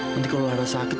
nanti kalau lara sakit